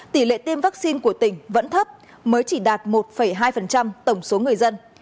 tỷ lệ tiêm vaccine của tỉnh vẫn thấp mới chỉ đạt một hai tổng số người dân